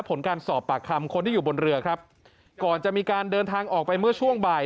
ผลการสอบปากคำคนที่อยู่บนเรือครับก่อนจะมีการเดินทางออกไปเมื่อช่วงบ่าย